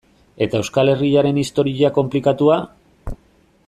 Eta Euskal Herriaren historia konplikatua?